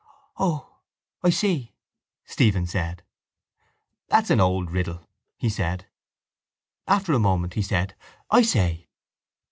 —Oh, I see, Stephen said. —That's an old riddle, he said. After a moment he said: —I say!